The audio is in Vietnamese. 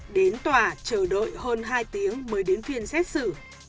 đến tòa chờ đợi hơn hai tiếng mới đến phiên xét xử